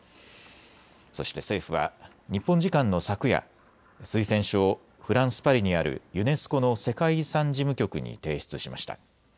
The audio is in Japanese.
そして政府は日本時間の昨夜、推薦書をフランス・パリにあるユネスコの世界遺産事務局に提出しました。